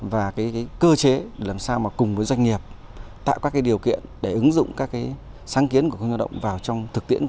và cơ chế làm sao cùng với doanh nghiệp tạo các điều kiện để ứng dụng các sáng kiến của công nhân lao động